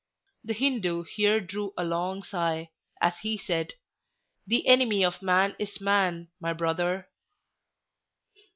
The Hindoo here drew a long sigh, as he said, "The enemy of man is man, my brother."